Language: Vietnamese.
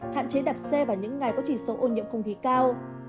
hạn chế đạp xe vào những ngày có chỉ số ô nhiễm không khí cao